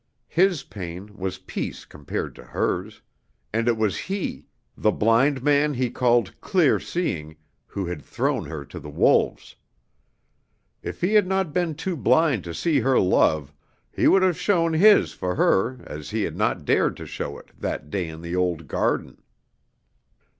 His pain was peace compared to hers; and it was he the blind man he called "clear seeing" who had thrown her to the wolves. If he had not been too blind to see her love, he would have shown his for her as he had not dared to show it, that day in the old garden.